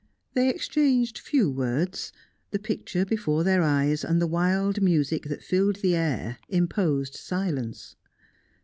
They exchanged few words; the picture before their eyes, and the wild music that filled the air, imposed silence.